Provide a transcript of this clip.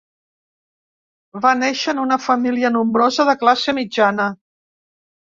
Va néixer en una família nombrosa de classe mitjana.